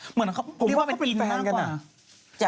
เหมือนว่าเขาเป็นแฟนกันอ่ะ